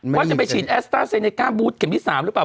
ว่าจะไปฉีดแอสต้าเซเนก้าบูธเข็มที่๓หรือเปล่า